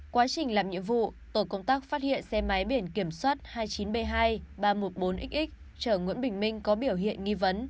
quá trình làm nhiệm vụ tổ công tác phát hiện xe máy biển kiểm soát hai mươi chín b hai ba trăm một mươi bốn x chở nguyễn bình minh có biểu hiện nghi vấn